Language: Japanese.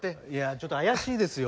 ちょっと怪しいですよ。